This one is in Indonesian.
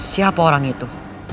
siapa orang itu